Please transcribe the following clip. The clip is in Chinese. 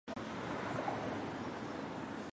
腺毛蹄盖蕨为蹄盖蕨科蹄盖蕨属下的一个种。